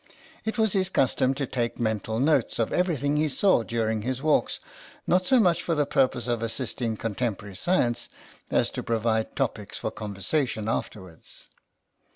It was his custom to take mental notes of everything he saw during his walks, not so much for the purpose of assist ing contemporary science as to provide topics for conversation afterwards.